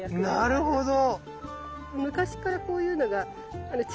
なるほど。